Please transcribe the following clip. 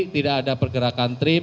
tidak ada pergerakan trim